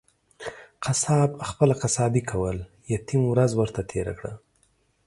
قصاب خپله قصابي کول ، يتيم ورځ ورته تيره کړه.